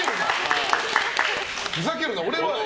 ふざけるな、俺は。